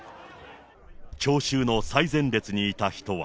聴衆の最前列にいた人は。